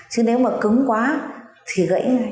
chứ nếu mà cứng quá thì gãy